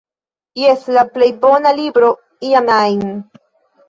Jes, la plej bona libro iam ajn